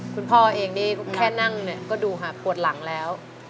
คุณพ่อเองนี่แค่นั่งเนี่ยก็ดูค่ะปวดหลังแล้ว